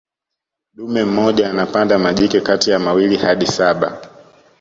dume mmoja anapanda majike kati ya mawili hadi saba